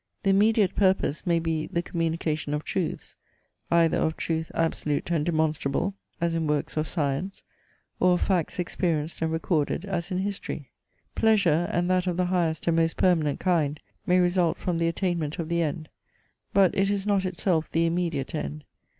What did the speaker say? The immediate purpose may be the communication of truths; either of truth absolute and demonstrable, as in works of science; or of facts experienced and recorded, as in history. Pleasure, and that of the highest and most permanent kind, may result from the attainment of the end; but it is not itself the immediate end.